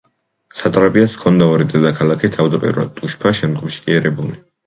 სატრაპიას ჰქონდა ორი დედაქალაქი, თავდაპირველად ტუშფა, შემდგომში კი ერებუნი.